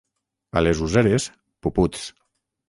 A les Useres, puputs.